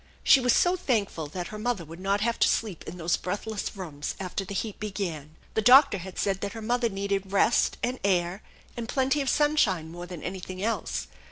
She was so thankful that mother would not have to sleep in those breathless rooms after the heat began. The doctor had said that her mother needed rest and air and plenty of sunshine more than anything else.